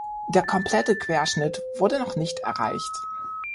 Der komplette Querschnitt wurde noch nicht erreicht.